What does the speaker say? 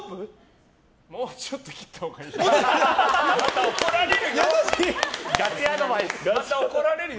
もうちょっと切ったほうがいいよ。